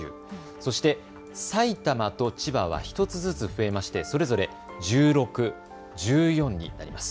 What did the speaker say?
そして埼玉と千葉は１つずつ増えましてそれぞれ１６、１４になります。